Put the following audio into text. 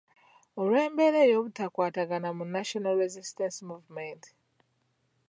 Olw’embeera ey’obutakwatagana mu National Resistance Movement.